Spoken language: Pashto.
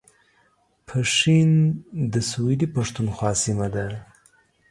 پښین د سویلي پښتونخوا سیمه ده